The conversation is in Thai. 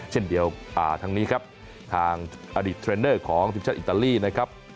เช่นเดียวทางนี้ครับทางอดีตเทรนเนอร์ของทีมชาติอิตาลีนะครับ